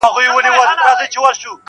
د سواهدو په لټه کي دي او هر څه ګوري,